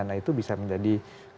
nah itu bisa menjadi